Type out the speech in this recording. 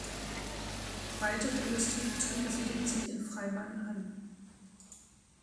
Weitere Industriebetriebe siedelten sich in Freimann an.